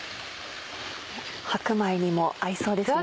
白米にも合いそうですね。